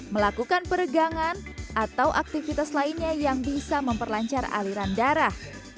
melakukan peregangan atau aktivitas lainnya yang bisa memperlancar aliran darah